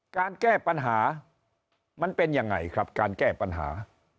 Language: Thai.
การแก้ปัญหามันเป็นยังไงครับการแก้ปัญหา